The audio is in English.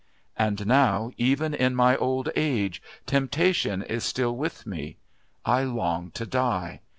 And now, even in my old age, temptation is still with me. I long to die.